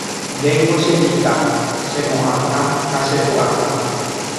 ndéngo che ita, che mo'ãha ha che pu'aka